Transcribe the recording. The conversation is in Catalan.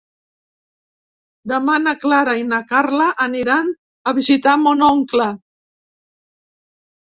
Demà na Clara i na Carla aniran a visitar mon oncle.